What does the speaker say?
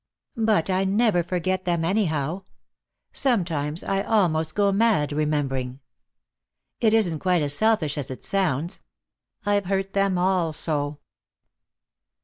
"But I never forget them, anyhow. Sometimes I almost go mad, remembering. It isn't quite as selfish as it sounds. I've hurt them all so.